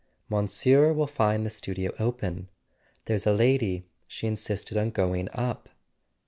"Monsieur will find the studio open. There's a lady: she insisted on going up."